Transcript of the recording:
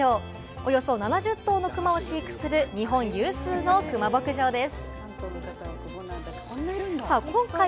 およそ７０頭のクマを飼育する日本有数のクマ牧場です。